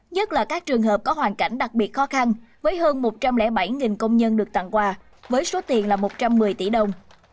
nhất là các trường hợp có hoàn cảnh đặc biệt khó khăn với hơn một trăm linh bảy công nhân được tặng quà với số tiền là một trăm một mươi tỷ đồng